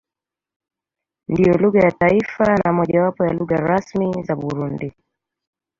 Ndiyo lugha ya taifa na mojawapo ya lugha rasmi za Burundi.